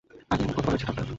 আগে এমন কতবার হয়েছে, ডাক্তার?